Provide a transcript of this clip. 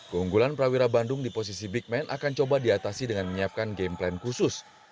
keunggulan prawira bandung di posisi big man akan coba diatasi dengan menyiapkan game plan khusus